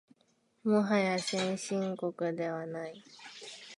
もはや先進国ではない